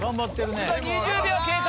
２０秒経過。